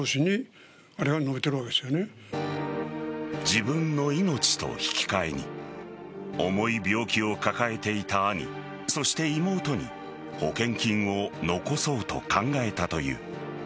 自分の命と引き換えに重い病気を抱えていた兄そして妹に保険金を残そうと考えたという。